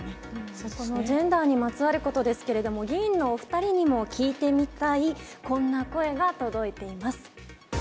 そのジェンダーにまつわることですけど、議員のお２人にも聞いてみたいこんな声が届いています。